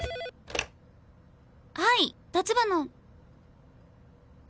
はい立花あ